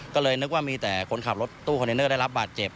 ก็เลยนึกว่ามีแต่คนขับรถตู้คอนเทนเนอร์ได้รับบาดเจ็บ